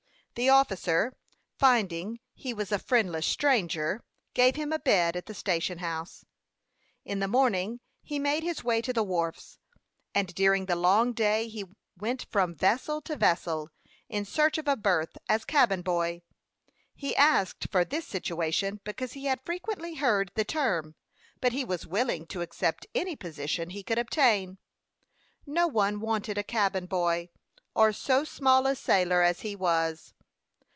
The officer, finding he was a friendless stranger, gave him a bed at the station house. In the morning he made his way to the wharves, and during the long day he went from vessel to vessel in search of a berth as cabin boy. He asked for this situation, because he had frequently heard the term; but he was willing to accept any position he could obtain. No one wanted a cabin boy, or so small a sailor as he was.